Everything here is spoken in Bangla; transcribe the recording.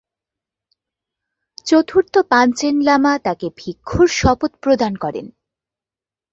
চতুর্থ পাঞ্চেন লামা তাকে ভিক্ষুর শপথ প্রদান করেন।